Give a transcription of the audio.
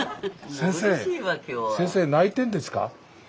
「先生泣いてんですか？」。